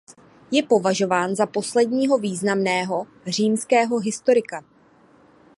Je považován za posledního významného římského historika.